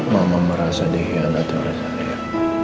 mama merasa dikhianat oleh saya